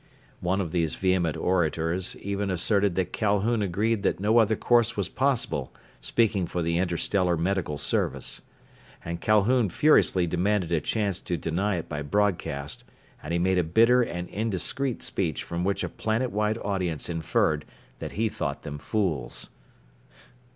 One of these vehement orators even asserted that Calhoun agreed that no other course was possible, speaking for the Interstellar Medical Service. And Calhoun furiously demanded a chance to deny it by broadcast, and he made a bitter and indiscreet speech from which a planet wide audience inferred that he thought them fools.